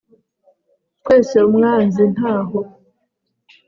twese umwanzi ntaho